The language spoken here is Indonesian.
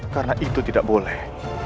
karena itu tidak boleh